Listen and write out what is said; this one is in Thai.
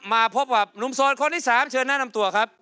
มาพบกับหนุ่มโสดคนที่๓เชิญแนะนำตัวครับ